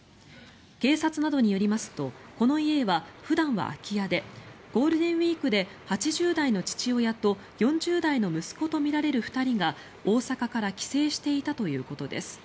警察などによりますとこの家は普段は空き家でゴールデンウィークで８０代の父親と４０代の息子とみられる２人が大阪から帰省していたということです。